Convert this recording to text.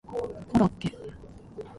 コロッケ